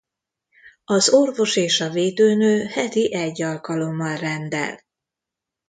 Az orvos és a védőnő heti egy alkalommal rendel.